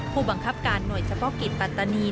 ผู้บังคับการหน่วยเฉพาะกิจปัตตานี